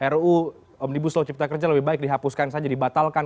ruu omnibus law cipta kerja lebih baik dihapuskan saja dibatalkan